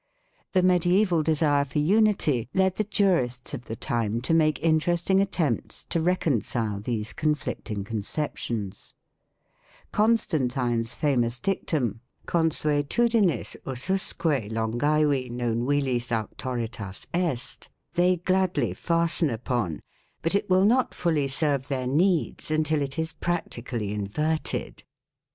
The mediaeval desire for unity led the jurists of the time to make interesting attempts to reconcile these conflicting conceptions. Constantine's famous dictum, " Consue 126 MAGNA CARTA AND COMMON LAW tudinis ususque longaevi non vilis auctoritas est, 1 they gladly fasten upon, but it will not fully serve their needs until it is practically inverted.